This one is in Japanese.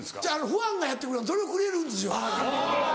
ファンがやってくれるのそれをくれるんですよ。